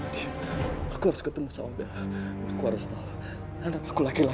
aku harus ketemu sama dia